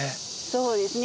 そうですね。